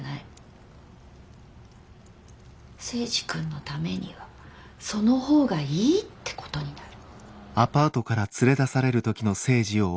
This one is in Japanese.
征二君のためにはその方がいいってことになる。